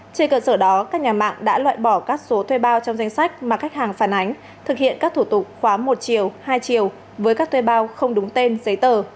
trên cơ sở đó các nhà mạng đã loại bỏ các số thuê bao trong danh sách mà khách hàng phản ánh thực hiện các thủ tục khóa một chiều hai chiều với các thuê bao không đúng tên giấy tờ